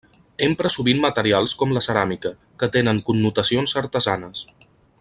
Empra sovint materials com la ceràmica, que tenen connotacions artesanes.